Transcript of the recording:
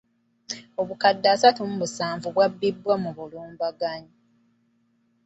Obukadde asatu mu musanvu bwabbidwa mu bulumbaganyi.